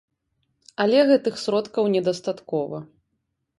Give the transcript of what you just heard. Але гэтых сродкаў недастаткова.